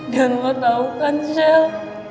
dan lo tau kan shell